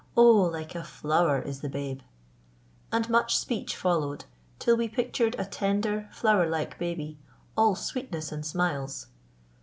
Oh, like a flower is the babe!" And much speech followed, till we pictured a tender, flower like baby, all sweetness and smiles.